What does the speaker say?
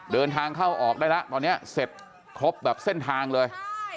เดินทางเข้าออกได้แล้วตอนนี้เสร็จครบแบบเส้นทางเลย